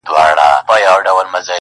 o زما د زما د يار راته خبري کوه.